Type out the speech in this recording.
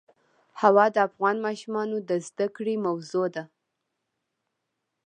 هوا د افغان ماشومانو د زده کړې موضوع ده.